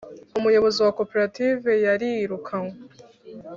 umuyobozi wa koperative yarirukanwe.